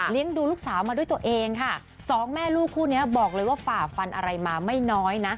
ดูลูกสาวมาด้วยตัวเองค่ะสองแม่ลูกคู่นี้บอกเลยว่าฝ่าฟันอะไรมาไม่น้อยนะ